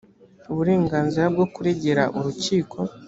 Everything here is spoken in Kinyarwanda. uburenganzira bwo kuregera urukiko